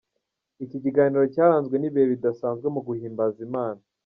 Iki gitaramo cyaranzwe n'ibihe bidasanzwe mu guhimbaza Imana.